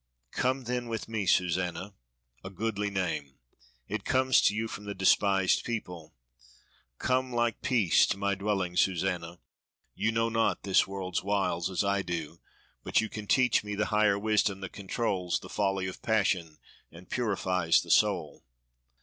"Come, then, with me, Susanna a goodly name, it comes to you from the despised people. Come like peace to my dwelling, Susanna you know not this world's wiles as I do, but you can teach me the higher wisdom that controls the folly of passion and purifies the soul."